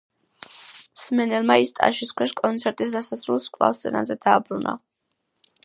მსმენელმა ის ტაშის ქვეშ კონცერტის დასასრულს კვლავ სცენაზე დააბრუნა.